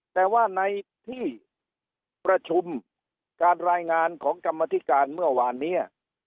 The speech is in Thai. แต่ว่าในที่ประชุมการรายงานของกรรมธิการเมื่อวานเนี่ย